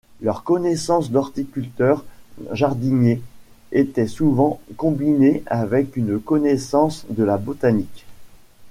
Leurs connaissances d'horticulteur-jardiniers étaient souvent combinées avec une connaissance de la botanique.